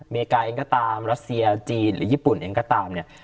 อเมริกาเองก็ตามรัสเซียจีนหรือญี่ปุ่นเองก็ตามเนี่ย